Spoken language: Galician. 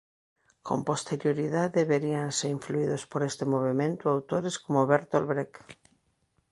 Con posterioridade veríanse influídos por este movemento autores como Bertold Brecht.